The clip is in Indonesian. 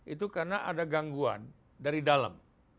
itu karena ada gangguan dari dalam